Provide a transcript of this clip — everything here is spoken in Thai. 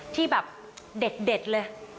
ที่แบบเด็ดเลย